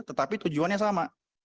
tetapi tujuannya sama